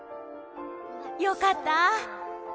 よかった！